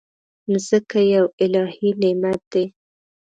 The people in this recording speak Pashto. مځکه یو الهي نعمت دی.